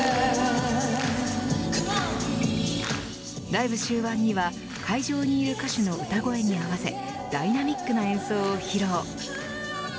ライブ終盤には会場にいる歌手の歌声に合わせダイナミックな演奏を披露。